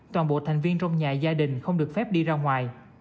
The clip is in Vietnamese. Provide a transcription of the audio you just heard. toàn bộ thành viên trong nhà gia đình không được phép đi ra ngoài